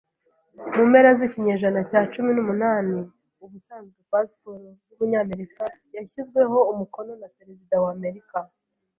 Mu mpera z'ikinyejana cya cumi n'umunani, ubusanzwe pasiporo y'Umunyamerika yashyizweho umukono na Perezida wa Amerika